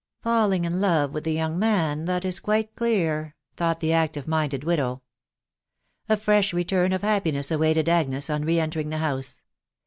" Falling in love with the young man, that is quite clear," thought the active minded widow. , A fresh return of happiness awaited Agnea on re entering the house.